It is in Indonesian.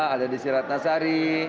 ada desirat nasari